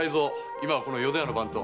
今はこの淀屋の番頭。